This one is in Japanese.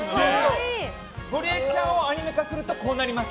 ゴリエちゃんをアニメ化するとこうなります。